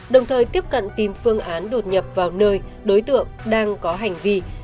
đồng thời tiếp cận tìm phương án đột nhập vào nơi đối tượng đang có hành vi